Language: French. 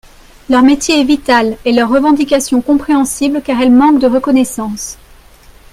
Leur métier est vital et leurs revendications compréhensibles car elles manquent de reconnaissance.